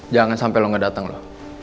jangan sampe lo gak dateng lo